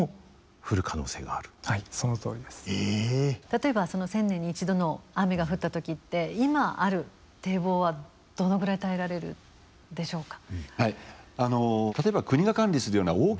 例えばその１０００年に１度の雨が降った時って今ある堤防はどのぐらい耐えられるんでしょうか。